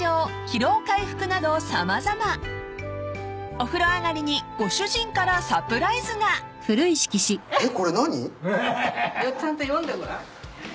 ［お風呂上がりにご主人からサプライズが］えっ？